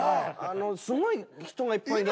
すごい人がいっぱいで。